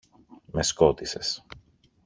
Με σκότισες!